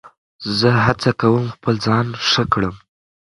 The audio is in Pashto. زه هڅه کوم خپل ځان ښه کړم.